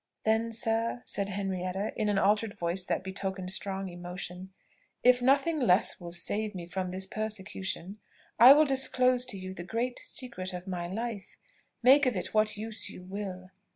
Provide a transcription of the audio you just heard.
"Then, sir," said Henrietta, in an altered voice that betokened strong emotion, "if nothing less will save me from this persecution, I will disclose to you the great secret of my life; make of it what use you will.